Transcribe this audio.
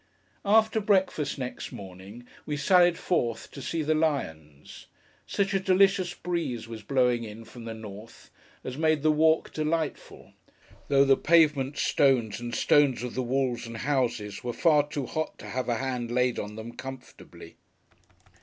After breakfast next morning, we sallied forth to see the lions. Such a delicious breeze was blowing in, from the north, as made the walk delightful: though the pavement stones, and stones of the walls and houses, were far too hot to have a hand laid on them comfortably.